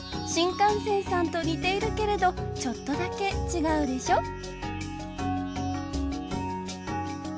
新幹線さんと似ているけれどちょっとだけ違うでしょ？